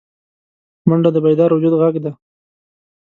منډه د بیدار وجود غږ دی